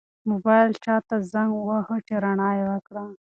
موبایل چا ته زنګ واهه چې رڼا یې وکړه؟